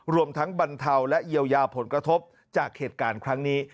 รวมทั้งบรรเทาและเยียวยาผลกระทบจากเหตุการณ์ครั้งนี้